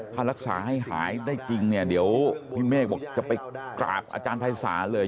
ถ้ารักษาให้หายได้จริงเนี่ยเดี๋ยวพี่เมฆบอกจะไปกราบอาจารย์ภัยศาลเลย